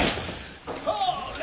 それ！